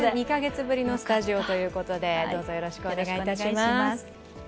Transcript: ２カ月ぶりのスタジオということで、どうぞよろしくお願いいたします。